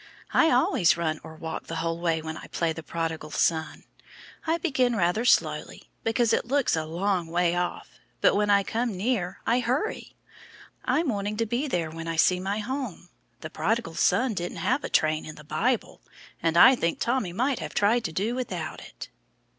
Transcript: "I always run or walk the whole way when I play the prodigal son. I begin rather slowly, because it looks a long way off, but when I come near I hurry. I'm wanting to be there when I see my home. The prodigal son didn't have a train in the Bible, and I think Tommy might have tried to do without it."